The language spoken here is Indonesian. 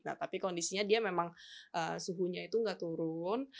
nah tapi kondisinya dia memang suhunya itu nggak turun